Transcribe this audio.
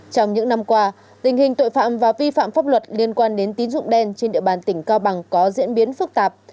trong những năm qua tình hình tội phạm và vi phạm pháp luật liên quan đến tín dụng đen trên địa bàn tỉnh cao bằng có diễn biến phức tạp